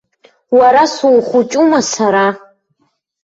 Уара сухәыҷума сара?